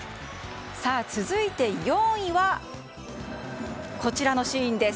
続いて４位はこちらのシーンです。